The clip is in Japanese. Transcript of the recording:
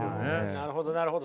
なるほどなるほど。